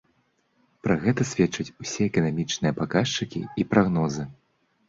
Пра гэта сведчаць усе эканамічныя паказчыкі і прагнозы.